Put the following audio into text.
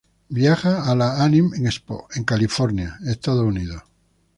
Viaja a la Anime Expo en la ciudad de California, Estados Unidos.